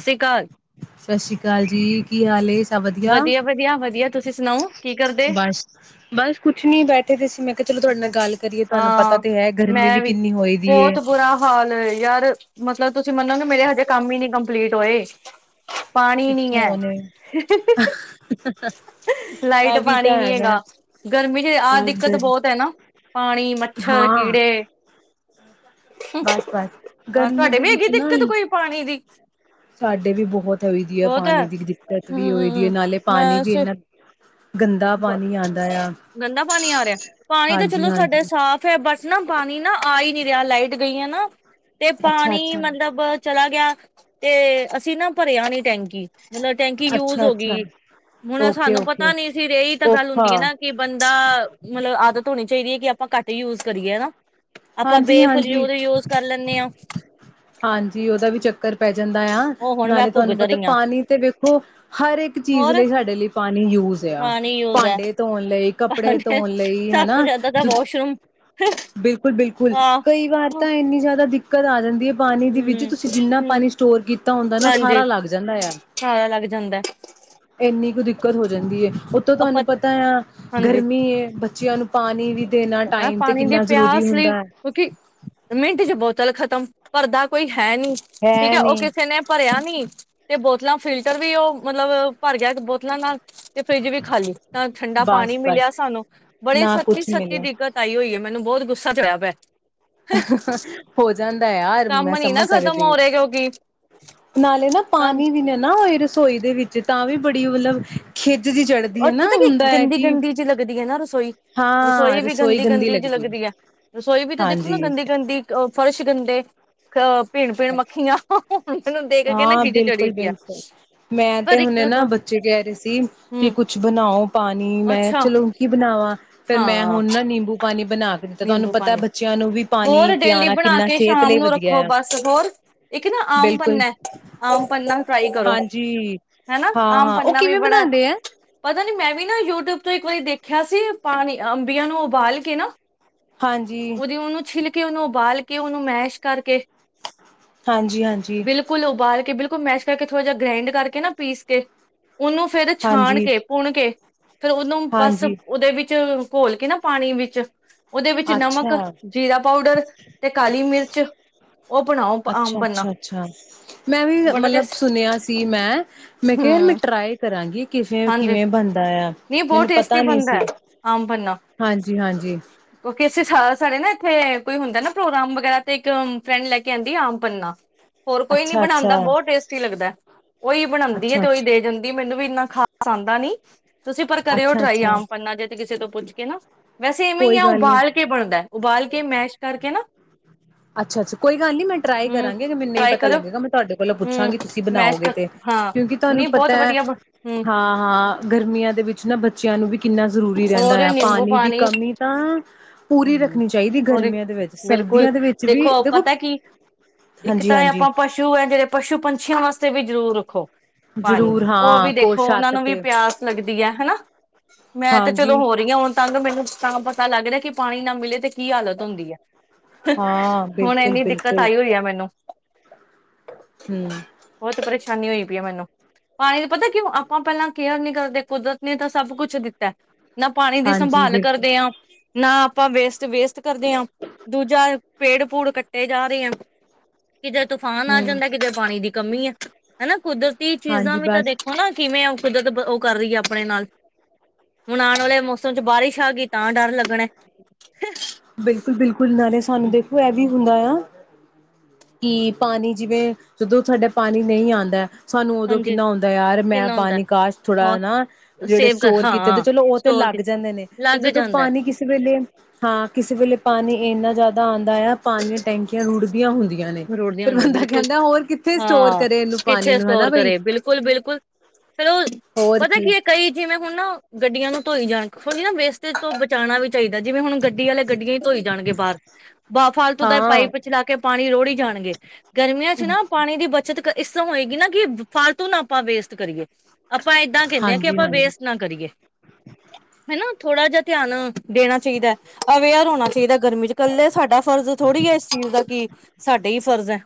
ਸਤਿ ਸ਼੍ਰੀ ਅਕਾਲ ਸਸੀਕਾਲ ਜੀ, ਕੀ ਹਾਲ ਏ? ਨਾ ਵਧੀਆ। ਵਧੀਆ ਵਧੀਆ ਤੁਸੀਂ ਸੁਣਾਓ ਕੀ ਕਰਦੇ ਬਸ, ਬਸ ਕੁਛ ਨਈ ਬੈਠੇ ਦੇ ਸੀ ਮੈ ਤਾ ਫੇਰ ਹਾਂ ਗਰਮੀ ਮੈਂ ਵੀ, ਕਿੰਨੀ ਹੋਈ ਦੀ ਏ ਬੋਤ ਬੁਰਾ ਹਾਲ ਏ ਯਾਰ ਮਤਲਬ ਤੁਸੀਂ ਮੰਨੋਗੇ ਮੇਰੇ ਹਜੇ ਕੰਮ ਹੀ ਨੀ ਕੰਮਪਲੀਟ ਹੋਏ। ਪਾਣੀ ਨੀ ਕਿੱਥੋਂ ਹੈ ਆਣੇ [unintelligible] ਲਾਈਟ ਇਹ ਵੀ ਪਾਣੀ ਤਾਂ ਨੀ ਹੈਗਾ, ਗਰਮੀ ਦੇ ਆਹ ਬਸ ਦਿੱਕਤ ਗਰ ਬਹੁਤ ਪਾਣੀ ਮੱਛਰ ਹਾਂ ਕੀੜੇ ਬਸ ਬਸ ਹਾਂ ਗਰਮੀ ਤੁਹਾਡੇ ਦੇ ਵੀ ਹੈਗੀ ਵਿੱਚ ਨਾ ਦਿੱਕਤ ਲੀ ਕੋਈ ਪਾਣੀ ਦੀ ਸਾਡੇ ਵੀ ਬਹੁਤ ਵਧੀਆ ਬਹੁਤ ਹੈ ਪਾਣੀ ਦੀ ਦਿੱਕਤ ਵੀ ਹੋਏਗੀ ਹਮ ਨਾਲੇ ਪਾਣੀ ਵੀ ਇਨਾ ਬ ਗੰਦਾ ਪਾਣੀ ਆ ਰਿਹਾ ਪਾਣੀ ਤਾਂ ਹਾਂਜੀ ਚਲੋ ਸਾਡੇ ਹਾਂਜੀ ਸਾਫ ਹ ਬਸ ਨਾ ਪਾਣੀ ਨਾ ਆ ਹੀ ਨਹੀਂ ਤੇ ਆ ਲਾਈਟ ਗਈਆਂ ਨਾ ਤੇ ਅੱਛਾ ਪਾਣੀ ਅੱਛਾ ਮਤਲਬ ਚਲਾ ਗਿਆ ਤੇ ਅਸੀਂ ਨਾ ਭਰਿਆ ਨੀ ਟੈਂਕੀ ਮਤਲਬ ਟੈਂਕੀ ਯੂਜ ਅੱਛਾ ਹੋ ਅੱਛਾ ਗਈ, ਹੁਣ ਓਕੇ ਸਾਨੂੰ ਓਕੇ ਪਤਾ ਨੀ ਇਹੀ ਤਾਂ ਗੱਲ ਔਖਾ ਹੁੰਦੀ ਹੈ, ਨਾ ਕਿ ਬੰਦਾ ਮਤਲਬ ਆਦਤ ਹੋਣੀ ਚਾਹੀਦੀ ਹੈ ਕਿ ਆਪਾਂ ਘੱਟ ਹੀ ਯੂਜ ਕਰੀਏ ਹਨਾ। ਹਾਂਜੀ ਹਾਂਜੀ, ਹਾਂ ਹਾਂਜੀ ਉਹਦਾ ਵੀ ਚੱਕਰ ਪੈ ਜਾਂਦਾ ਆ, ਉਹ ਹੁਣ ਮੈਂ ਨਾਲੇ ਤੁਹਾਨੂੰ ਭੁਗਤ ਪਤਾ ਰਹੀ ਹਾਂ ਪਾਣੀ ਤੇ ਵੇਖੋ ਹਰ ਇੱਕ ਚੀਜ਼ ਹੋਰ ਲਈ ਸਾਡੇ ਲਈ ਪਾਣੀ ਯੂਜ ਆ, ਪਾਣੀ ਯੂਜ ਹੈ ਭਾਂਡੇ ਧੋਣ ਲਈ ਤੇ ਕੱਪੜੇ ਪਾਣੀ ਧੋਣ ਲਈ ਸਭ ਤੋਂ ਹਨਾ। ਜ਼ਿਆਦਾ ਤਾਂ ਵਾਸ਼ਰੂਮ ਬਿਲਕੁਲ ਬਿਲਕੁਲ, ਆਹ ਕਈ ਵਾਰ ਤਾਂ ਇੰਨੀ ਜ਼ਿਆਦਾ ਦਿੱਕਤ ਦਿੱਕਤ ਆ ਜਾਂਦੀ ਹੈ। ਪਾਣੀ ਦੇ ਵਿੱਚ ਹਮ ਤੁਸੀਂ ਜਿੰਨਾ ਹਮ ਪਾਣੀ ਸਟੋਰ ਕੀਤਾ ਹੁੰਦਾ ਨਾ ਉਹ ਹਾਂਜੀ ਸਾਰਾ ਲੱਗ ਜਾਂਦਾ ਆ ਸਾਰਾ ਲੱਗ ਜਾਂਦਾ ਇੰਨੀ ਕੁ ਦਿੱਕਤ ਦਿੱਕਤ ਹੋ ਜਾਂਦੀ ਹੈ। ਉਤੋਂ ਆਪਾਂ ਤੁਹਾਨੂੰ ਪਤਾ ਆ, ਹਾਂਜੀ ਗਰਮੀ ਏ ਬੱਚੇ ਬੱਚਿਆਂ ਨੂੰ ਪਾਣੀ ਵੀ ਦੇਣਾ ਪਤਾ ਟਾਈਮ ਤੇ ਪਾਣੀ ਦੇ ਕਿੰਨਾ ਜ਼ਰੂਰੀ ਪਿਆਸ ਲਈ, ਹੁੰਦਾ ਹੈ ਕਿਊਂਕਿ, ਮਿੰਟ ਚ ਬੋਤਲ ਖਤਮ ਭਰਦਾ ਕੋਈ ਹੈ ਨੀ, ਠੀਕ ਹੈ ਉਹ ਕਿਸੇ ਨੇ ਭਰਿਆ ਨੀ ਤੇ ਬੋਤਲਾਂ ਫਿਲਟਰ ਵੀ ਉਹ ਮਤਲਬ ਭਰ ਗਿਆ ਬੋਤਲਾਂ ਨਾਲ ਤੇ ਫਰਿੱਜ ਵੀ ਖਾਲੀ। ਨਾ ਠੰਡਾ ਬਸ ਪਾਣੀ ਮਿਲਿਆ ਬਸ ਸਾਨੂੰ ਬੜੇ ਨਾ ਕੁਛ ਸੱਚੀ ਮਿਲਿਆ ਦਿੱਕਤ ਆਈ ਹੋਈ ਹੈ। ਮੈਨੂੰ ਬਹੁਤ ਗੁੱਸਾ ਚੜ੍ਹਿਆ ਪਿਆ ਹੋ ਜਾਂਦਾ ਯਾਰ ਮੈਂ ਕੰਮ ਨੀ ਨਾ ਸਮਝ ਖ਼ਤਮ ਸਕਦੀ ਹੋ ਹਾਂ, ਰਹੇ ਕਿਉਂਕਿ ਨਾਲੇ ਨਾ ਕੰਮ ਪਾਣੀ ਵੀ ਨਾ ਨਾ ਰਸੋਈ ਦੇ ਵਿੱਚ ਤਾਂ ਵੀ ਬੜੀ ਮਤਲਬ ਖੇ [unintelligible] ਔਰ ਪਤਾ ਕੀ, ਗੰਦੀ ਗੰਦੀ ਜੀ ਲੱਗਦੀ ਐ ਨਾ ਰਸੋਈ, ਰਸੋਈ ਵੀ ਗੰਦੀ ਗੰਦੀ ਜੀ ਲੱਗਦੀ ਐ, ਰਸੋਈ ਵੀ ਤਾਂ ਹਾਂਜੀ ਦੇਖੋ ਗੰਦੀ ਗੰਦੀ ਉਹ ਫਰਸ਼ ਗੰਦੇ ਕਪ ਕੇ ਨਾ ਹਾਂ ਖਿਝ ਚੜੀ ਬਿਲਕੁਲ ਦੀ ਆ ਬਿਲਕੁਲ, ਮੈਂ ਪਰ ਤੇ ਇੱਕ ਹੁਣੇ ਨਾ ਦੋ ਬੱਚੇ ਕਹਿ ਰਹੇ ਸੀ। ਕਿ ਹਮ ਕੁਛ ਬਣਾਓ ਪਾਣੀ ਮੈਂ ਅੱਛਾ ਚਲੋ ਕੀ ਬਣਾਵਾਂ, ਫੇਰ ਮੈਂ ਹਾਂ ਹੁਣ ਨਾ ਨਿੰਬੂ ਪਾਣੀ ਬਣਾ ਕੇ ਦਿੱਤੈ ਤੁਹਾਨੂੰ ਨਿੰਬੂ ਪਤਾ ਪਾਣੀ ਬੱਚਿਆਂ ਨੂੰ ਵੀ ਪਾਣੀ ਹੋਰ ਡੇਲੀ ਪਿਆਣਾ ਬਣਾ ਕਿੰਨਾ ਕੇ ਸਿਹਤ ਸ਼ਾਮ ਲਈ ਨੂੰ ਵਧੀਆ ਰੱਖੋ ਹੈ ਬਸ। ਇੱਕ ਨਾ ਆਮ ਬਿਲਕੁਲ ਪੰਨੈ ਐ ਆਮ ਪੰਨਾ ਟਰਾਈ ਕਰੋ, ਹਾਂਜੀ ਹੈਨਾ ਹਾਂ ਆਮ ਹਾਂ ਉਹ ਪੰੰਨਾ ਵੀ ਕਿਵੇਂ ਬੜਾ ਐ ਬਣਾਉਂਦੇ ਹੈ ਪਤੈ ਮੈਂ ਵੀ ਨਾ ਯੂਟਿਊਬ ਤੋਂ ਇੱਕ ਵਾਰੀ ਦੇਖਿਆ ਸੀ ਪਾਣੀ ਅੰਬੀਆਂ ਨੂੰ ਉਬਾਲ ਕੇ ਨਾ ਹਾਂਜੀ। ਛਿਲ ਕੇ ਓਨੂੰ ਉਬਾਲ ਕੇ ਓਨੂੰ ਮੈਸ਼ ਕਰਕੇ ਹਾਂਜੀ, ਹਾਂਜੀ, ਬਿਲਕੁਲ ਉਬਾਲ ਕੇ ਬਿਲ ਮੈਸ਼ ਕਰਕੇ ਥੋੜਾ ਜਾ ਗ੍ਰਾਇੰਡ ਕਰਕੇ ਨਾ ਪੀਸ ਕੇ ਓਨੂੰ ਫੇਰ ਛਾਣ ਹਾਂਜੀ, ਕੇ ਪੁਣ ਕੇ ਫੇਰ ਓਨੂੰ ਬਸ ਹਾਂਜੀ ਔਦੇ ਵਿੱਚ ਘੋਲ ਕੇ ਨਾ ਪਾਣੀ ਵਿੱਚ ਔਦੇ ਵਿੱਚ ਨਮਕ ਅੱਛਾ। ਜੀਰਾ ਪਾਊਡਰ ਤੇ ਕਾਲੀ ਮਿਰਚ ਉਹ ਬਣਾਓ ਆਮ ਅੱਛਾ ਪੰਨਾ ਅੱਛਾ ਅੱਛਾ ਮੈਂ ਵੀ ਬੜਾ ਮਲਬ ਟੇਸਟੀ ਸੁਣਿਆ ਸੀ ਮੈਂ ਮੈਂ ਕਿਆ ਹੂੰ ਯਾਰ ਮੈਂ ਟਰਾਈ ਕਰਾਂਗੀ। ਕਿਵੇਂ ਹਾਂਜੀ ਕਿਵੇਂ ਬਣਦਾ ਐ ਨਹੀਂ ਬਹੁਤ ਮੈਨੂੰ ਟੇਸਟੀ ਪਤਾ ਨੀ ਬਣਦਾ ਸੀ, ਹੈ ਆਮ ਪੰਨਾ ਹਾਂਜੀ ਹਾਂਜੀ। ਕਿਉਂਕਿ ਅਸੀਂ ਸਾ ਸਾਡੇ ਨਾ ਐਥੇ ਕੋਈ ਹੁੰਦੈ ਨਾ ਪ੍ਰੋਗਰਾਮ ਵਗੈਰਾ ਤੇ ਇੱਕ ਫਰੈਂਡ ਲੈ ਕੇ ਆਂਦੀ ਏ ਆਮ ਪੰਨਾ। ਹੋਰ ਕੋਈ ਨੀ ਅੱਛਾ, ਬਣਾਂਦਾ ਅੱਛਾ, ਬੌਤ ਟੇਸਟੀ ਲੱਗਦੈ। ਔਈ ਬਣਾਂਦੀ ਐ ਅੱਛਾ, ਤੇ ਅੱਛਾ, ਔਈ ਦੇ ਜਾਂਦੀ ਏ ਮੈਨੂੰ ਵੀ ਇੰਨਾ ਅਸਾਂਦਾ ਨੀ। ਤੁਸੀਂ ਪਰ ਕਰਓ ਅੱਛਾ, ਟਰਾਈ ਅੱਛਾ ਆਮ ਪੰਨਾ ਜੇ ਤੇ ਕਿਸੇ ਤੋਂ ਪੁੱਛ ਹੈਨਾ। ਵੈਸੇ ਇਵੇਂ ਈ ਕੋਈ ਆ ਗੱਲ ਨੀ। ਉਬਾਲ ਕੇ ਬਣਦੈ, ਉਬਾਲ ਕੇ ਮੈਸ਼ ਕਰਕੇ ਨਾ ਅੱਛਾ ਅੱਛਾ, ਕੋਈ ਗੱਲ ਨੀ ਮੈਂ ਟਰਾਈ ਹਮ। ਕਰਾਂਗੀ ਅਗਰ ਮੈਨੂੰ ਨਹੀਂ ਟਰਾਈ ਪਤਾ ਕਰੋ ਲੱਗੇਗਾ ਮੈਂ ਤੁਹਾਡੇ ਕੋਲੋਂ ਹਮ ਪੁੱਛਾਂਗੀ ਤੁਸੀਂ ਮੈਸ਼ ਬਣਾਓਗੇ ਕਰ ਤੇ ਹਾਂ ਕਿਉਂਕਿ ਤੁਹਾਨੂੰ ਨਹੀਂ ਬਹੁਤ ਪਤੈ, ਵਧੀਆ ਹਮ ਹਾਂ। ਹਾਂ, ਗਰਮੀਆਂ। ਦੇ ਵਿੱਚ ਨਾ ਬੱਚਿਆਂ ਨੂੰ ਵੀ ਕਿੰਨਾ ਜ਼ਰੂਰੀ ਰੈੰਦਾ ਹੋਰ ਆ, ਨਿੰਬੂ ਪਾਣੀ ਦੀ ਕਮੀ ਤਾਂ ਪੂਰੀ ਹਮ ਰੱਖਣੀ ਚਾਈਦੀ ਹੋਰ ਗਰਮੀਆਂ ਦੇ ਵਿੱਚ, ਬਿਲਕੁਲ ਸਰਦੀਆਂ ਦੇ ਵਿੱਚ ਦੇਖੋ ਪਤਾ ਕਿ ਇੱਕ ਤੈ ਐ ਹਾਂਜੀ-ਹਾਂਜੀ ਅਪਾਂ ਪਸੂ ਐ ਜੇੜੇ ਪਸ਼ੂ ਪੰ ਪੰਛੀਆਂ ਵਾਸਤੇ ਵੀ ਜ਼ਰੂਰ ਰੱਖੋ। ਪਾਣੀ ਜ਼ਰੂਰ ਔ ਵੀ ਹਾਂ ਕੋ ਦੇਖੋ ਓਨਾਂ ਛੱਤ ਨੂੰ ਵੀ ਤੇ ਪਿਆਸ ਲੱਗਦੀ ਐ ਹਨਾ, ਮੈਂ ਤੇ ਚਲੋ ਹਾਂਜੀ ਹੋ ਰਹੀ ਹਾਂ ਹੁਣ ਤੰਗ ਮੈਨੂੰ ਤਾਂ ਪਤਾ ਲੱਗਦਾ ਕਿ ਪਾਣੀ ਨਾ ਮਿਲੇ ਤੇ ਕੀ ਹਾਲਤ ਹੁੰਦੀ ਹੈ, ਹਾਂ ਹੁਣ ਇੰਨੀ ਦਿੱਕਤ ਬਿਲਕੁਲ-ਬਿਲਕੁਲ ਆਈ ਹੋਈ ਆ ਮੈਨੂੰ। ਹੂੰ ਬਹੁਤ ਪਰੇਸ਼ਾਨੀ ਹੋਈ ਪਈ ਹੈ ਮੈਨੂੰ ਪਾਣੀ ਪਤਾ ਕਿਉਂ ਆਪਾਂ ਪਹਿਲਾਂ ਕੇਅਰ ਨੀ ਕਰਦੇ ਕੁਦਰਤ ਨੇ ਤਾਂ ਸਭ ਕੁੱਛ ਦਿੱਤਾ। ਨਾ ਪਾਣੀ ਦੀ ਹਾਂਜੀ ਸੰਭਾਲ ਬਿਲਕੁਲ ਕਰਦੇ ਹਾਂ। ਨਾ ਆਪਾਂ ਵੇਸਟ- ਵੇਸਟ ਕਰਦੇ ਹਾਂ ਦੂਜਾ ਪੇੜ ਪੂੜ ਕੱਟੇ ਜਾ ਰਹੇ ਆ। ਕਿਤੇ ਤੂਫਾਨ ਆ ਹੂੰ ਜਾਂਦਾ ਕਿਤੇ ਪਾਣੀ ਦੀ ਕਮੀ ਆ ਹਨਾ ਕੁਦਰਤੀ ਚੀਜ਼ਾਂ ਹਾਂਜੀ ਵੀ ਤਾਂ ਬਸ ਦੇਖੋ ਨਾ ਕਿਵੇਂ ਕੁਦਰਤ ਉਹ ਕਰ ਰਹੀ ਹੈ ਆਪਣੇ ਨਾਲ ਹੁਣ ਆਉਣ ਵਾਲੇ ਮੌਸਮ 'ਚ ਬਾਰਿਸ਼ ਆ ਗਈ ਤਾਂ ਡਰ ਲੱਗਣਾ। ਬਿਲਕੁਲ -ਬਿਲਕੁਲ ਨ ਸਾਨੂੰ ਦੇਖੋ ਇਹ ਵੀ ਹੁੰਦਾ ਆ ਕਿ ਪਾਣੀ ਜਿਵੇਂ ਜਦੋਂ ਸਾਡਾ ਪਾਣੀ ਨਹੀਂ ਆਉਂਦਾ ਸਾਨੂੰ ਉਦੋਂ ਹਾਂਜੀ ਕਿੰਨਾ ਆਉਂਦਾ ਯਾਰ ਮੈਂ ਕਿੰਨਾ ਹੁੰਦਾ ਪਾਣੀ ਕਾਸ਼ ਹੋਰ ਥੋੜਾ ਨਾ ਜਿਹੜੇ ਸੇਵ ਕਰ ਸਟੋਰ ਕੀਤੇ ਤੇ ਹਾਂ ਚਲੋ ਉਹ ਤੇ ਸਟੋਰ ਲੱਗ ਜਾਂਦੇ ਨੇ ਤੇ ਲੱਗ ਜਦੋਂ ਜਾਂਦਾ ਪਾਣੀ ਕਿਸ ਵੇਲੇ ਹਾਂ ਕਿਸੇ ਵੇਲੇ ਪਾਣੀ ਇੰਨਾ ਜ਼ਿਆਦਾ ਆਉਂਦਾ ਆ ਪਾਣੀਆਂ ਟੈਂਕੀਆਂ ਰੁੜ ਰੁੜਦੀਆਂ ਹੁੰਦੀਆਂ ਬਿਲਕੁਲ ਕਿੱਥੇ ਸਟੋਰ ਹਾਂ ਕਰੇ ਇਹਨੂੰ ਪਾਣੀ ਕਿੱਥੇ ਨੂੰ ਹਨਾ ਸਟੋਰ ਬਈ ਕਰੇ ਬਿਲਕੁਲ -ਬਿਲਕੁਲ ਚਲੋ ਪਤਾ ਕੀ ਹੈ ਕਈ ਜਿਵੇਂ ਹੁਣ ਨਾ ਗੱਡੀਆਂ ਨੂੰ ਧੋਈ ਜਾਣ ਥੋੜ੍ਹੀ ਨਾ ਵੇਸਟੇਜ ਤੋਂ ਬਚਾਉਣਾ ਵੀ ਚਾਹੀਦਾ ਜਿਵੇਂ ਹੁਣ ਗੱਡੀ ਵਾਲੇ ਗੱਡੀਆਂ ਹੀ ਧੋਈ ਜਾਣਗੇ ਬਾਹਰ ਬਾਹ ਫਾਲਤੂ ਦਾ ਹਾਂ ਪਾਈਪ ਚਲਾ ਕੇ ਪਾਣੀ ਲੋ। [unintelligible] ਵੀ ਜਾਣਗੇ। ਗਰਮੀਆਂ 'ਚ ਨਾ ਪਾਣੀ ਦੀ ਬੱਚਤ ਇਸ ਤਰ੍ਹਾਂ ਹੋਏਗੀ ਨਾ ਕਿ ਫਾਲਤੂ ਨਾ ਆਪਾਂ ਵੇਸਟ ਕਰੀਏ। ਆਪਾਂ ਏਦਾਂ ਕਹਿੰਦੇ ਆ ਕਿ ਹਾਂਜੀ ਆਪਾਂ ਹਾਂਜੀ ਵੇਸਟ ਨਾ ਕਰੀਏ। ਹਨਾ ਥੋੜਾ ਜਿਹਾ ਧਿਆਨ ਦੇਣਾ ਚਾਹੀਦਾ ਅਵੇਅਰ ਹੋਣਾ ਚਾਹੀਦਾ ਗਰਮੀ 'ਚ ਇਕੱਲੇ ਸਾਡਾ ਫਰਜ਼ ਥੋੜ੍ਹੀ ਹੈ ਇਸ ਚੀਜ਼ ਦਾ ਕਿ ਸਾਡੇ ਹੀ ਫਰਜ਼ ਹੈ।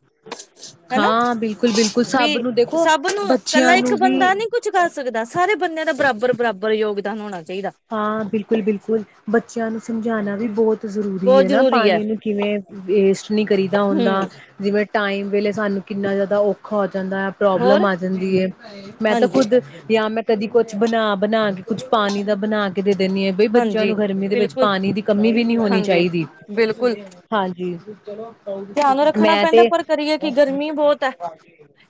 ਹਨਾ ਹਾਂ ਬਿਲਕੁਲ -ਬਿਲਕੁਲ ਵੀ ਸਭ ਨੂੰ ਦੇਖੋ ਸਭ ਨੂੰ ਬੱਚਿਆਂ ਇਕੱਲਾ ਇੱਕ ਨੂੰ ਵੀ ਬੰਦਾ ਨੀ ਕੁੱਝ ਕਰ ਸਕਦਾ ਸਾਰੇ ਬੰਦਿਆਂ ਦਾ ਬਰਾਬਰ-ਬਰਾਬਰ ਯੋਗਦਾਨ ਹੋਣਾ ਚਾਹੀਦਾ ਹਾਂ ਬਿਲਕੁਲ -ਬਿਲਕੁਲ ਬੱਚ ਬੱਚਿਆਂ ਨੂੰ ਸਮਝਾਉਣਾ ਵੀ ਬਹੁਤ ਜ਼ਰੂਰੀ ਬਹੁਤ ਹੈ ਨਾ ਜ਼ਰੂਰੀ ਹੈ ਪਾਣੀ ਨੂੰ ਕਿਵੇਂ ਵੇਸਟ ਨਹੀਂ ਕਰੀਦਾ ਹੁੰਦਾ ਹਮ ਜਿਵੇਂ ਟਾਈਮ ਵੇਲੇ ਸਾਨੂੰ ਕਿੰਨਾ ਜ਼ਿਆਦਾ ਔਖਾ ਜਾਂਦਾ, ਪ੍ਰੋਬਲਮ ਹੋਰ ਆ ਜਾਂਦੀ ਹੈ। ਮੈਂ ਤਾਂ ਹਾਂਜੀ ਖੁਦ ਜਾਂ ਮੈਂ ਕਦੀ ਕੁੱਛ ਬਣਾ ਬਣਾ ਕੇ ਕੁੱਛ ਪਾਣੀ ਦਾ ਬਣਾ ਕੇ ਦੇ ਦੇਨੀ ਹਾਂ ਬਈ ਬੱਚਿਆਂ ਹਾਂਜੀ ਨੂੰ ਗਰਮੀ ਦੇ ਵਿੱਚ ਬਿਲਕੁਲ ਪਾਣੀ ਦੀ ਕਮੀ ਵੀ ਨੀ ਹੋਣੀ ਹਾਂਜੀ ਚਾਹੀਦੀ, ਬਿਲਕੁਲ ਹਾਂਜੀ ਕਰੋ। ਧਿਆਨ ਰੱਖਣਾ ਮੈਂ ਪੈਂਦਾ ਤੇ, ਪਰ ਕਰੀਏ ਕਿ ਗਰਮੀ ਬਹੁਤ ਹੈ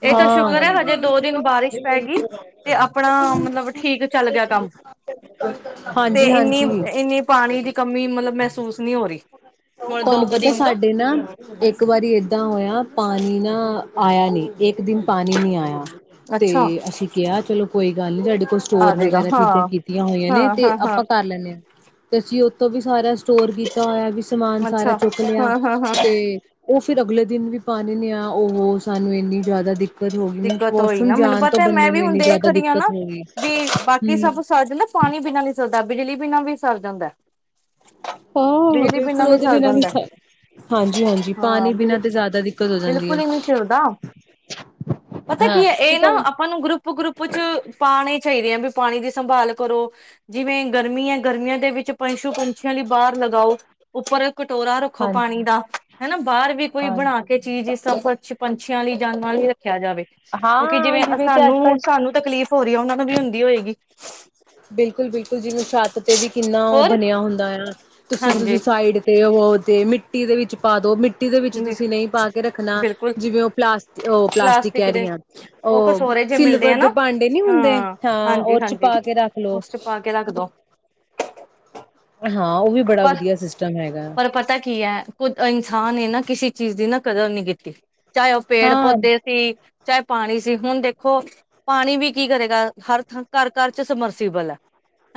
ਇਹ ਤਾਂ ਹਾਂ। ਸ਼ੁਕਰ ਹੈ ਹਜੇ ਦੋ ਦਿਨ ਬਾਰਿਸ਼ ਪੈ ਗਈ ਤੇ ਆਪਣਾ ਮਤਲਬ ਠੀਕ ਚੱਲ ਗਿਆ ਕੰਮ ਤੇ ਇੰਨੀ ਹਾਂਜੀ-ਹਾਂਜੀ ਇੰਨੀ ਪਾਣੀ ਦੀ ਕਮੀ ਮਤਲਬ ਮਹਿਸੂਸ ਨਹੀਂ ਹੋ ਰਹੀ। ਹੋਰ ਦੋ ਤੁਹਾਨੂੰ ਕੁ ਪਤਾ ਦਿਨ ਤੋਂ ਸਾਡੇ ਨਾ ਹਮ ਇੱਕ ਵਾਰੀ ਏਦਾਂ ਹੋਇਆ ਪਾਣੀ ਨਾ। ਆਇਆਂ ਨਹੀਂ ਇੱਕ ਦਿਨ ਪਾਣੀ ਨਹੀਂ ਆਇਆਂ। ਤੇ ਅੱਛਾ ਅਸੀਂ ਕਿਹਾ ਚਲੋ ਕੋਈ ਗੱਲ ਨੀ, ਤੁਹਾਡੇ ਕੋਲ ਆ ਸਟੋਰ ਜਾਏਗਾ ਵਗੈਰਾ ਹਾਂ ਚੀਜ਼ਾਂ। ਆਂ ਹੋਈਆਂ ਨੇ ਹਾਂ ਤੇ ਹਾਂ ਹਾਂ ਆਪਾਂ ਕਰ ਲੈਣੇ। ਤੇ ਅਸੀਂ ਉੱਤੋਂ ਵੀ ਸਾਰਾ। ਸਟੋਰ ਕੀਤਾ ਹੋਇਆ ਵੀ। ਸਮਾਨ ਸਾਰਾ ਅੱਛਾ ਚੁੱਕ ਲਿਆ ਹਾਂ ਹਾਂ ਹਾਂ ਤੇ ਉਹ ਫਿਰ ਅਗਲੇ ਦਿਨ ਵੀ ਪਾਣੀ ਨੇ ਆ ਉਹ ਸਾਨੂੰ ਇੰਨੀ ਜ਼ਿਆਦਾ ਦਿੱਕਤ ਹੋ ਗਈ ਮੈਨੂੰ ਦਿੱਕਤ ਹੋਈ ਵਾਸ਼ਰੂਮ ਨਾ ਮੈਨੂੰ ਜਾਣ ਤੋਂ ਪਤਾ ਮੈਂ ਬੰਦੇ ਵੀ ਨੂੰ ਹੁਣ ਇੰਨੀ ਦੇਖ ਜ਼ਿਆਦਾ ਰਹੀ ਨਾ ਦਿੱਕਤ ਹੋ ਗਈ ਵੀ ਬਾਕੀ ਹਮ ਸਭ ਸਰ ਜਾਂਦਾ। ਪਾਣੀ ਬਿਨਾਂ ਨਹੀਂ ਸਰਦਾ, ਬਿਜਲੀ ਬਿਨਾਂ ਵੀ ਸਰ ਜਾਂਦਾ। ਹਾਂ! ਬਿਲਕੁਲ ਉਹਦੇ ਬਿਨਾਂ ਵੀ ਸਰ ਜਾਂਦਾ। ਹਾਂਜੀ -ਹਾਂਜੀ ਹਾਂ ਪਾਣੀ ਬਿਲ ਬਿਨਾਂ ਤੇ ਜ਼ਿਆਦਾ ਦਿੱਕਤ ਹੋ ਜਾਂਦੀ ਬਿਲਕੁਲ ਆ। ਹੀ ਨੀ ਸਿਰਦਾ ਪਤਾ ਕੀ ਹੈ! ਇਹ ਨਾ ਆਪਾਂ ਨੂੰ ਗਰੁੱਪ ਗਰੁੱਪ ਚ ਪਾਉਣੇ ਚਾਹੀਦੇ ਆ ਵੀ ਪਾਣੀ ਦੀ ਸੰਭਾਲ ਕਰੋ ਜਿਵੇਂ ਗਰਮੀ ਹੈ ਗਰਮੀਆਂ ਦੇ ਵਿੱਚ ਪਸ਼ੂ ਪੰਛੀਆਂ ਲਈ ਬਾਹਰ ਲਗਾਓ! ਉੱਪਰ ਕਟੋਰਾ ਰੱਖੋ ਪਾਣੀ ਹਾਂਜੀ, ਦਾ। ਹਨਾ, ਬਾਹਰ ਵੀ ਕੋਈ ਬਣਾ ਹਾਂਜੀ। ਕੇ ਚੀਜ਼ ਸਫ਼ਰ ਚ' ਪੰਛੀਆਂ ਜਾਨਵਰਾਂ ਲਈ ਰੱਖਿਆ ਜਾਵੇ ਕਿਉਂਕਿ ਹਾਂ ਜਿਵੇਂ ਤੇ ਅੱਜ ਸਾਨੂੰ ਕੱਲ ਸਾਨੂੰ ਤਕਲੀਫ਼ ਹੋ ਰਹੀ ਹੈ ਉਹਨਾਂ ਵੀ ਹੁੰਦੀ ਹੋਏਗੀ। ਬਿਲਕੁਲ ਬਿਲਕੁਲ ਜਿਵੇਂ ਛੱਤ ਤੇ ਵੀ ਕਿੰਨਾ ਉਹ ਹੋਰ ਬਣਿਆ ਹੁੰਦਾ ਆ ਤੁਸੀਂ ਤੁਸੀਂ ਹਾਂਜੀ। ਸਾਈਡ। ਤੇ ਉਹ ਤੇ ਮਿੱਟੀ ਦੇ ਵਿੱਚ ਪਾਦੋ ਮਿੱਟੀ। ਮਿੱਟੀ ਦੇ ਵਿੱਚ ਤੁਸੀਂ ਨਹੀਂ ਪਾ ਕੇ ਰੱਖਣਾ ਬਿਲਕੁਲ ਜਿਵੇਂ ਉਹ ਪਲਾਸਟਿਕ, ਉਹ ਪਲਾਸਟਿਕ ਕਹਿ ਰਹੀਆਂ ਉਹ ਕਸੋਰੇ ਜੇ ਮਿਲਦੇ ਸਿਲਵਰ ਆ ਦੇ ਨਾ। ਭਾਂਡੇ ਨੀ ਹੁੰਦੇ ਹਾਂ ਹਾਂ ਹਾਂਜੀ ਉਹਦੇ ਚ' ਹਾਂਜੀ ਪਾਕੇ। ਉਸ ਚ ਪਾ ਕੇ ਰੱਖਦੋ। ਹਾਂ ਉਹ ਵੀ ਬੜਾ ਪਰ, ਵਧੀਆ ਸਿਸਟਮ ਹੈਗਾ ਪਰ ਪਤਾ ਕੀ ਐ, ਕੁਝ ਇਨਸਾਨ ਏ ਨਾ ਚੀਜ਼ ਦੀ ਨਾ ਕਦਰ ਨੀ ਕੀਤੀ। ਚਾਹੇ ਓ ਪੇੜ ਹਾਂ, ਪੋਦੇ ਸੀ ਚਾਹੇ ਪਾਣੀ ਸੀ। ਹੁਨ ਦੇਖੋ, ਪਾਣੀ ਵੀ ਕੀ ਕਰੇਗਾ ਹਰ ਥਾਂ ਘਰ- ਘਰ ਚ ਸਮਰਸੀਬਲ ਐ,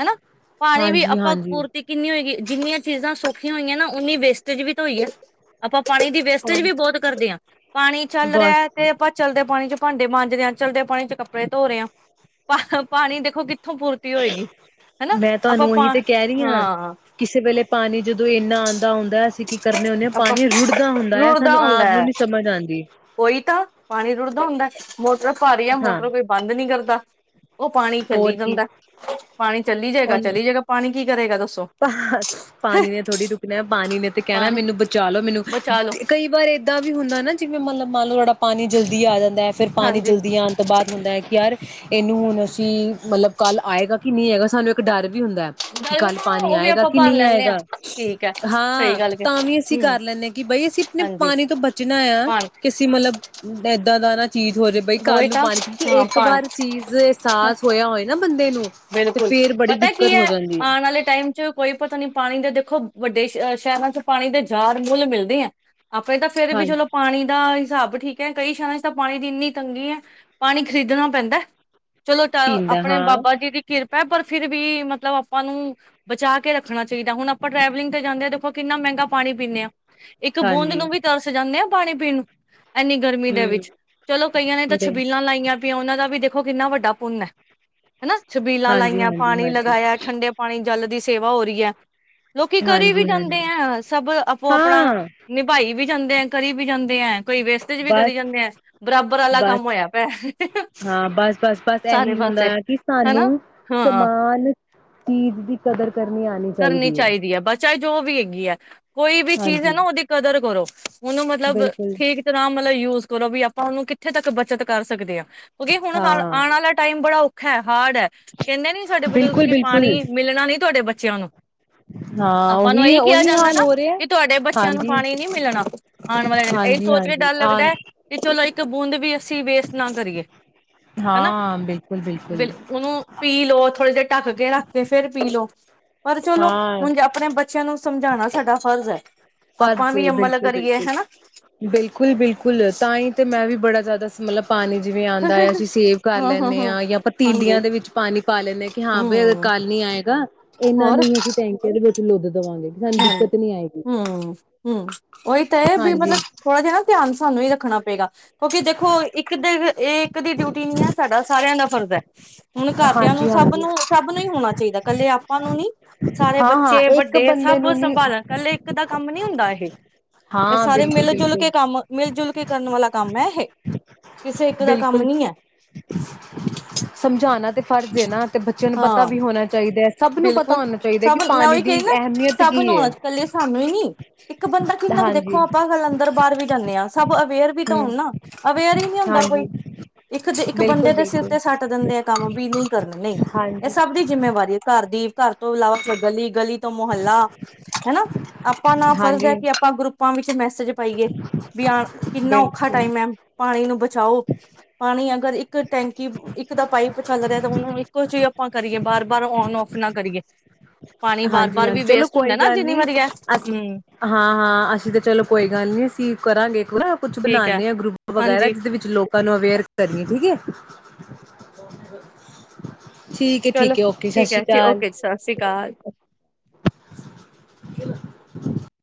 ਹਨਾ ਪਾਣੀ ਵੀ ਹਾਂਜੀ, ਆਪਾਂ ਹਾਂਜੀ। ਪੂਰਤੀ ਕਿੰਨੀ ਹੋਏਗੀ ਜੀਨੀਆਂ ਚੀਜ਼ਾਂ ਸੌਖੀਆਂ ਹੋਈਆਂ ਨਾ, ਓਨੀ ਵੇਸਟੇਜ ਵੀ ਤਾਂ ਹੋਈ ਐ। ਪਾਣੀ ਦੀ ਹਾਂ ਵੇਸਟੇਜ ਵੀ ਬੋਤ ਕਰਦੇ ਆਂ, ਪਾਣੀ ਚੱਲ ਰੇਆ ਬਸ ਤੇ ਆਪਾਂ ਚੱਲਦੇ ਪਾਣੀ ਚ ਭਾਂਡੇ ਮਾਂਜਦੇ ਆ, ਚੱਲਦੇ ਪਾਣੀ ਚ ਕੱਪੜੇ ਧੋ ਰਏ ਆ, ਪਾ ਪਾਣੀ ਦੇਖੋ ਕਿ ਮੈਂ ਤੁਆਨੂੰ ਓਹੀ ਪਾ ਤੇ ਕੈ ਰੀ ਆਂ, ਹਾਂ ਕਿਸੇ ਵੇਲੇ ਪਾਨੀ ਜਦੋਂ ਏਨਾਂ ਆਂਦਾ ਹੁੰਦੈ ਅਸੀਂ ਕੀ ਕਰਨੇ ਹੋਨੇ ਆਂ ਪਾਨੀ ਰੋੜਦਾ ਹੁੰਦੈ, ਆਉਂਦੀ ਓਈ ਤਾਂ ਪਾਣੀ ਰੁੜਦਾ ਹੁੰਦੈ। ਮੋਟਰ ਭਾਰੀ ਆ, ਹਾਂ ਮੋਟਰ ਕੋਈ ਬੰਦ ਨੀ ਕਰਦਾ। ਓ ਪਾਣੀ ਚੱਲੀ ਹੋਰ ਕੀ ਜਾਂਦੈ, ਪਾਣੀ ਚੱਲੀ ਜਾਏਗਾ ਉਹਨੂੰ ਚੱਲੀ ਜੇਗਾ ਪਾਣੀ ਕੀ ਕਰੇਗਾ ਦੱਸੋ ਪਾਣੀ ਨੇ ਥੋੜ੍ਹੀ ਰੁਕਣਾ ਪਾਣੀ ਨੇ ਪਾਣੀ ਲਓ ਮੈਨੂੰ ਬਚਾ ਲੋ ਤੇ ਕਈ ਵਾਰ ਏਦਾਂ ਵੀ ਹੁੰਦਾ ਨਾ ਜਿਵੇਂ ਮੰਨਲਬ ਮੰਨ ਲਓ [unintelligible] ਪਾਣੀ ਜਲਦੀ ਆ ਜਾਂਦਾ ਫਿਰ ਪਾਣੀ ਹਾਂਜੀ ਜਲਦੀ ਆਉਣ ਤੋਂ ਬਾਅਦ ਹੁੰਦਾ ਹੈ ਕਿ ਯਾਰ ਇਹਨੂੰ ਹੁਣ ਅਸੀਂ ਮਲਬ ਕੱਲ ਆਏਗਾ ਕਿ ਨਹੀਂ ਹੈਗਾ ਸਾਨੂੰ ਇੱਕ ਡਰ ਵੀ ਹੁੰਦਾ ਹੈ ਕਿ ਗਲ ਕੱਲ ਹਾਂ ਪਾਣੀ ਉਹ ਵੀ ਆਏਗਾ ਆਪਾਂ ਕਿ ਭਰ ਨਹੀਂ ਲੈਂਦੇ ਹਾਂ ਆਏਗਾ? ਠੀਕ ਹੈ ਸਹੀ ਹਾਂ ਗੱਲ ਤਾਂ ਵੀ ਅਸੀਂ ਹਮ ਕਰ ਲੈਂਦੇ ਹਾਂ ਕਿ ਬਾਈ ਅਸੀਂ ਆਪਣੇ ਹਾਂਜੀ ਪਾਣੀ ਤੋਂ ਬਚਣਾ ਆ ਪਾਣੀ ਕਿਸੇ ਮਤਲਬ [unintelligible] ਚੀਜ਼ ਹੋ ਜਾਵੇ ਬਈ ਕੱਲ ਹੋਈ ਨੂੰ ਤਾਂ ਪਾਣੀ ਕਿਉਂਕਿ ਹਾਂ ਇੱਕ ਵਾਰ ਪਾਣੀ ਚੀਜ਼ ਅਹਿਸਾਸ ਹੋਇਆ ਹੋਏ ਨਾ ਬੰਦੇ ਨੂੰ ਤੇ ਬਿਲਕੁਲ ਫੇਰ ਬੜੀ ਪਤਾ ਕੀ ਦਿੱਕਤ ਹੋ ਜਾਂਦੀ ਹੈ ਆਉਣ ਵਾਲੇ ਟਾਈਮ ਚ ਕੋਈ ਪਤਾ ਨੀ ਪਾਣੀ ਦੇ ਦੇਖੋ ਵੱਡੇ ਸ਼ ਸ਼ਹਿਰਾਂ ਚ ਪਾਣੀ ਦੇ ਜਾਰ ਮੁੱਲ ਮਿਲਦੇ ਹੈ ਆਪੇ ਤਾਂ ਫੇਰ ਹਾਂ ਵੀ ਚਲੋ ਪਾਣੀ ਦਾ ਹਿਸਾਬ ਠੀਕ ਹੈ ਕਈ ਸ਼ਹਿਰਾਂ ਚ ਤਾਂ ਪਾਣੀ ਦੀ ਇੰਨੀ ਤੰਗੀ ਹੈ ਪਾਣੀ ਖ਼ਰੀਦਣਾ ਪੈਂਦਾ ਚਲੋ ਪੀਂਦਾ ਆਪਣੇ ਹਾਂ ਬਾਬਾ ਜੀ ਦੀ ਕਿਰਪਾ ਪਰ ਫਿਰ ਵੀ ਮਤਲਬ ਆਪਾਂ ਨੂੰ ਬਚਾ ਕੇ ਰੱਖਣਾ ਚਾਹੀਦਾ। ਹੁਣ ਆਪਾਂ ਟਰੈਵਲਿੰਗ ਤੇ ਜਾਂਦੇ ਹਾਂ ਦੇਖੋ ਕਿੰਨਾ ਮਹਿੰਗਾ ਪਾਣੀ ਪੀਂਦੇ ਹਾਂ ਇੱਕ ਬੂੰਦ ਹਾਂਜੀ ਨੂੰ ਵੀ ਤਰਸ ਜਾਂਦੇ ਆ ਪਾਣੀ ਪੀਣ ਇੰਨੀ ਗਰਮੀ ਦੇ ਵਿੱਚ ਹਮ ਚਲੋ ਕਈਆਂ ਨੇ ਤਾਂ ਦੇ ਛਬੀਲਾਂ ਲਾਈਆਂ [unintelligible] ਉਹਨਾਂ ਦਾ ਵੀ ਦੇਖੋ ਕਿੰਨਾ ਵੱਡਾ ਪੁੰਨ ਹੈ। ਹਨਾ? ਛਬੀਲਾਂ ਹਾਂਜੀ ਲਾਈਆਂ, ਹਾਂਜੀ ਪਾਣੀ ਹਾਂਜੀ ਲਗਾਇਆ, ਠੰਡੇ ਪਾਣੀ ਜਲ ਦੀ ਸੇਵਾ ਹੋ ਰਹੀ ਹੈ ਲੋਕੀ ਕਰੀ ਵੀ ਹਾਂਜੀ ਹਾਂਜੀ ਜਾਂਦੇ ਹੈ, ਸਭ ਆਪੋ ਆਪਣਾ ਹਾਂ ਨਿਭਾਈ ਵੀ ਜਾਂਦੇ ਹੈ, ਕਰੀ ਵੀ ਜਾਂਦੇ ਹੈ ਕੋਈ ਵੇਸਟੇਜ ਵੀ ਕਰੀ ਬਸ ਜਾਂਦੇ ਆ ਬਸ, ਹਾਂ ਬਸ ਬਸ ਬਸ, ਸਾਰੇ ਇਹੀ ਹੁੰਦਾ ਪਾਸੇ ਆ ਕਿ ਸਾਨੂੰ ਹਨਾ ਹਾਂ ਸਮਾਨ ਚੀਜ ਦੀ ਕਦਰ ਕਰਨੀ ਆਣੀ ਚਾਹੀਦੀ ਹੈ ਚਾਹੇ ਜੋ ਵੀ ਹੈਗੀ ਹੈ। ਕੋਈ ਵੀ ਚੀਜ਼ ਹੈ ਹਾਂਜੀ ਨਾ ਉਹਦੀ ਕਦਰ ਕਰੋ। ਉਹਨੂੰ ਮਤਲਬ ਬਿਲਕੁਲ ਠੀਕ ਤਰ੍ਹਾਂ ਤਲ ਯੂਜ ਕਰੋ ਵੀ ਆਪਾਂ ਉਹਨੂੰ ਕਿੱਥੇ ਤੱਕ ਬੱਚਤ ਕਰ ਸਕਦੇ ਹਾਂ। ਕਿਉਂਕਿ ਹੁਣ ਹਾਂ ਆਉਣ ਵਾਲਾ ਟਾਈਮ ਬੜਾ [unintelligible] ਹਾਰਡ ਹੈ, ਕਹਿੰਦੇ ਨੀ ਸਾਡੇ ਬਜ਼ੁਰਗ, ਬਿਲਕੁਲ ਕਿ ਬਿਲਕੁਲ ਪਾਣੀ ਮਿਲਣਾ ਨੀ ਤੁਹਾਡੇ ਬੱਚੇ ਚਿਆਂ ਨੂੰ। ਹਾਂ ਆਪਾਂ ਨੂੰ ਉਹੀ ਇਹੀ ਕਿਹਾ ਉਹੀ ਜਾਂਦਾ ਹਾਲ ਨਾ? ਹੋ ਰਿਹਾ ਕਿ ਤੁਹਾਡੇ ਬੱਚਿਆਂ ਨੂੰ ਹਾਂਜੀ ਪਾਣੀ ਨੀ ਮਿਲਣਾ। ਆਉਣ ਵਾਲੇ [unintelligible] ਹਾਂਜੀ ਸੋਚ ਕੇ ਹਾਂਜੀ ਡਰ ਆ ਲੱਗਦਾ ਹੈ ਕਿ ਚਲੋ ਬੂੰਦ ਵੀ ਸੀ ਵੇਸਟ ਨਾ ਕਰੀਏ, ਹਨਾ? ਹਾਂ ਬਿਲਕੁਲ ਬ ਬਿਲਕੁਲ ਉਹਨੂੰ ਪੀ ਲਓ ਥੋੜੇ ਜਿਹੇ ਢੱਕ ਕੇ ਰੱਖ ਕੇ ਫੇਰ ਪੀਲੋ ਪਰ ਚਲੋ ਹਾਂ ਹੁਣ ਆਪਣੇ ਬੱਚਿਆਂ ਨੂੰ ਸਮਝਾਉਣਾ ਸਾਡਾ ਫਰਜ਼ ਹੈ। ਆਪਾਂ ਵੀ ਪਰਜੇ ਅਮਲ ਬਿਲਕੁਲ ਕਰੀਏ ਬਿਲਕੁਲ। ਹਨਾ ਬਿਲਕੁਲ ਬਿਲਕੁਲ, ਤਾਂ ਹੀ ਤੇ ਮੈਂ ਵੀ ਬੜਾ ਜ਼ਿਆਦਾ ਮਤਲਬ ਪਾਣੀ ਜਿਵੇਂ ਹਾਂ ਆਂਦਾ ਹੈ, ਅਸੀਂ ਸੇਵ ਕਰ ਹਾਂ ਲੈਂਦੇ ਹਾਂ ਜਾਂ ਪਤੀਲੀਆਂ ਹਾਂਜੀ ਦੇ ਵਿੱਚ ਪਾਣੀ ਪਾ ਲੈਂਦੇ ਹਾਂ ਕਿ ਹਾਂ ਬਈ ਅਗਰ ਹਮ ਕੱਲ ਨੀ ਆਏਗਾ। ਇਹਨਾਂ ਹੋਰ ਨੂੰ ਹੀ ਅਸੀਂ ਟੈਂਕੀਆਂ ਦੇ ਵਿੱਚ [unintelligible] ਦੇਵਾਂਗੇ ਕਿ ਸਾਨੂੰ ਦਿੱਕਤ ਨੀ ਆਏਗੀ। ਹਮ ਹਮ, ਓਹੀ ਤੇ ਇਹ ਵੀ ਹਾਂਜੀ ਮਤਲਬ ਥੋੜਾ ਜਿਹਾ ਨਾ ਧਿਆਨ ਸਾਨੂੰ ਹੀ ਰੱਖਣਾ ਪਏਗਾ ਕਿਓਕਿ ਦੇਖੋ ਇੱਕ ਦੇ ਇਹ ਇੱਕ ਦੀ ਡਿਊਟੀ ਨੀ ਹੈ, ਸਾਡਾ ਸਾਰਿਆਂ ਦਾ ਫਰਜ਼ ਹੈ ਹੁਣ ਘਰਦਿਆਂ ਨੂੰ ਹਾਂਜੀ ਸਭ ਹਾਂਜੀ ਨੂੰ ਸਭ ਨੂੰ ਹੀ ਹੋਣਾ ਚਾਹੀਦਾ ਕੱਲੇ ਆਪਾਂ ਨੂੰ ਨੀ, ਸਾਰੇ ਹਾਂ ਹਾਂ ਬੱਚੇ ਇੱਕ ਵੱਡੇ ਬੰਦੇ ਸਭ ਨੂੰ ਨੀ ਸੰਭਾਲਣ ਕੱਲੇ ਇੱਕ ਦਾ ਕੰਮ ਨੀ ਹੁੰਦਾ ਇਹ ਇਹ ਹਾਂ ਸਾਰੇ ਬਿਲਕੁਲ ਮਿਲ ਜੁਲ ਬਿਲਕੁਲ ਕੇ ਕੰਮ ਮਿਲ ਜੁਲ ਕੇ ਕਰਨ ਵਾਲਾ ਕੰਮ ਹੈ ਇਹ ਕਿਸੇ ਇੱਕ ਦਾ ਕੰਮ ਬਿਲਕੁਲ ਨੀ ਹੈ ਸਮਝਾਉਣਾ ਤੇ ਫਰਜ਼ ਹੈ ਨਾ ਤੇ ਬੱਚਿਆਂ ਨੂੰ ਹਾਂ ਪਤਾ ਵੀ ਹੋਣਾ ਚਾਹੀਦੈ ਬਿਲਕੁਲ ਸਭ ਮੈਂ ਓਹੀ ਕਹਦੀ ਨਾ ਅਹਿਮੀਅਤ ਸਭ ਕੀ ਨੂੰ ਹੈ ਇਕੱਲੇ ਸਾਨੂੰ ਹੀ ਨੀ ਇੱਕ ਬੰਦਾ ਕਿੰਨਾ ਕੁ ਦੇਖੋ ਹਾਂਜੀ ਆਪਾਂ ਕੱਲ ਅੰਦਰ ਬਾਹਰ ਵੀ ਜਾਂਦੇ ਹਾਂ ਸਭ ਅਵੇਅਰ ਹਮ ਹੁਣ ਨਾ ਅਵੇਅਰ ਹੀ ਨਹੀਂੀ ਹੁੰਦਾ ਕੋਈ, ਹਾਂਜੀ ਇੱਕ ਇੱਕ ਬਿਲਕੁਲ ਬੰਦੇ ਦੇ ਸਿਰ ਬਿਲਕੁਲ ਤੇ ਸੱਟ ਦਿੰਦੇ ਆ ਕੰਮ ਵੀ ਨਹੀਂ ਕਰਨ ਨਹੀਂ ਇਹ ਹਾਂਜੀ ਸਭ ਦੀ ਜਿੰਮੇਵਾਰੀ ਘਰ ਤੋਂ ਇਲਾਵਾ ਗਲੀ ਗਲੀ ਤੋਂ ਮੁਹੱਲਾ ਹਨਾ ਆਪਾਂ ਨਾ ਫਰਜ਼ ਹੈ ਹਾਂਜੀ ਕਿ ਆਪਾਂ ਗਰੁੱਪਾਂ ਵਿੱਚ ਮੈਸੇਜ ਪਾਈਏ, ਵੀ ਆ ਕਿੰਨਾ ਔਖਾ ਬਿਲਕੁਲ ਟਾਈਮ ਹੈ ਪਾਣੀ ਨੂੰ ਬਚਾਓ ਪਾਣੀ ਅਗਰ ਇੱਕ ਟੈਂਕੀ ਇੱਕ ਦਾ ਪਾਈਪ ਚੱਲ ਰਿਹਾ ਤਾਂ ਉਹਨਾ ਨੂੰ ਇੱਕੋ ਜਿ ਆਪਾਂ ਕਰੀਏ ਬਾਰ ਬਾਰ ਓਨ- ਔਫ ਨਾ ਕਰੀਏ ਪਾਣੀ ਹਾਂਜੀ ਬਾਰ-ਬਾਰ ਵੀ ਹਾਂਜੀ ਚਲੋ ਵੇਸਟ ਹੁੰਦਾ ਕੋਈ ਨਾ ਗੱਲ ਜਿੰਨੀ ਨੀ ਵਾਰੀ ਹੈ ਅ ਹੂੰ ਹਾਂ ਹਾਂ ਅਸੀਂ ਤਾਂ ਚਲੋ ਕੋਈ ਗੱਲ ਨੀ ਅਸੀਂ ਕਰਾਂਗੇ ਕੁਛ ਠੀਕ ਹੈ ਬਣਾਉਂਦੇ ਆ ਗਰੁੱਪ ਵਗੈਰਾ ਹਾਂਜੀ ਜਿਹਦੇ ਵਿੱਚ ਲੋਕਾਂ ਨੂੰ ਅਵੇਅਰ ਕਰਨੀ ਠੀਕ ਹੈ ਠੀਕ ਹੈ ਚਲੋ ਠੀਕ ਹੈ ਓਕੇ ਸਤਿ ਠੀਕ ਸ਼੍ਰੀ ਏ ਅਕਾਲ ਓਕੇ ਸਤਿ ਸ੍ਰੀ ਅਕਾਲ